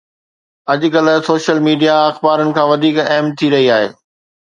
اڄڪلهه social media اخبارن کان وڌيڪ اهم ٿي رهي آهي